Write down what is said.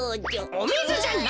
おみずじゃない！